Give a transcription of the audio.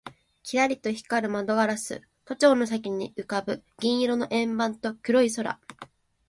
キラリと光る窓ガラス、都庁の先に浮ぶ銀色の円盤と黒い空